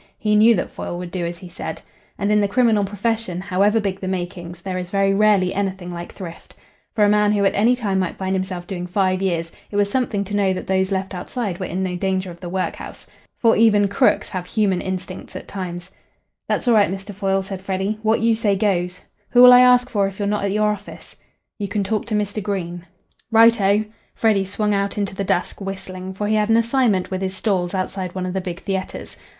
He knew that Foyle would do as he said. And in the criminal profession, however big the makings, there is very rarely anything like thrift. For a man who at any time might find himself doing five years, it was something to know that those left outside were in no danger of the workhouse. For even "crooks" have human instincts at times. "That's all right, Mr. Foyle," said Freddy. "What you say goes. Who'll I ask for if you're not at your office?" "You can talk to Mr. Green." "Right oh." Freddy swung out into the dusk, whistling, for he had an assignment with his "stalls" outside one of the big theatres.